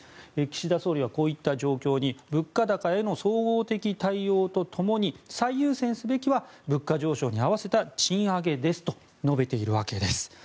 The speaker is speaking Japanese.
岸田総理はこういった状況に物価高への総合的対応とともに最優先すべきは物価上昇に合わせた賃上げですと述べているわけです。